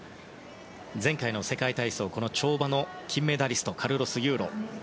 前回の世界体操跳馬の金メダリストカルロス・ユーロ。